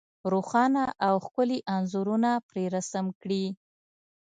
روښانه او ښکلي انځورونه پرې رسم کړي.